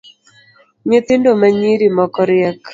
Nyithindo manyiri moko riek